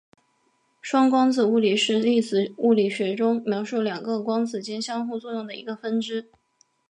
双光子物理是粒子物理学中描述两个光子间相互作用的一个分支。